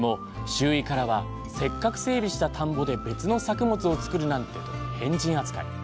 周囲からは「せっかく整備した田んぼで別の作物を作るなんて！」と変人扱い。